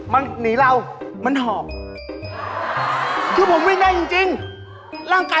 ไม่ใช่รองเท้ามิ่งธรรมดา